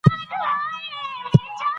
هغې وویل، "زما مزاج خپه دی."